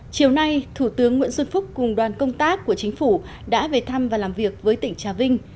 chiều nay thủ tướng nguyễn xuân phúc cùng đoàn công tác của chính phủ đã về thăm và làm việc với tỉnh trà vinh